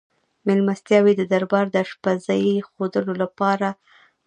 مېلمستیاوې د دربار د اشپزۍ ښودلو لپاره هم وې.